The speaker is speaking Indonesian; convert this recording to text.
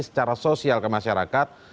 secara sosial ke masyarakat